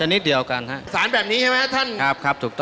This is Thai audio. เธอเรียกมาต้นกระจูก